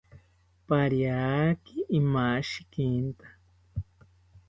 Pariaki imashikinta